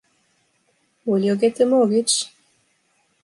Will you get a mortgage?